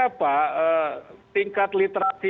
apa tingkat literasi